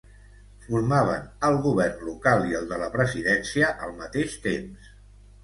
Formaven el govern local i el de la presidència al mateix temps.